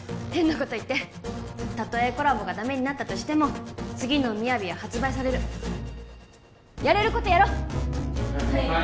変なこと言ってたとえコラボがダメになったとしても次のＭＩＹＡＶＩは発売されるやれることやろう！